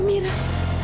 oh itu kan